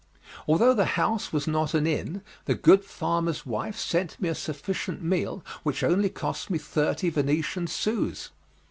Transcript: Although the house was not an inn, the good farmer's wife sent me a sufficient meal which only cost me thirty Venetian sous.